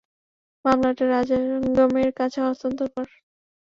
মামলাটা রাজাঙ্গমের কাছে হস্তান্তর কর।